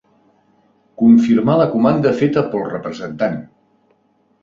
Confirmar la comanda feta pel representant.